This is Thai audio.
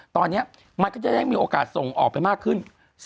ตอนนี้มันก็จะได้มีโอกาสส่งออกไปมากขึ้น